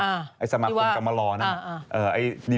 อย่างที่ว่าสมาคมกำลัวน่ะ